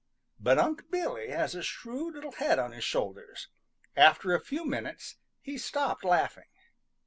But Unc' Billy has a shrewd little head on his shoulders. After a few minutes he stopped laughing.